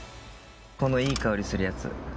このいい香りするやつ。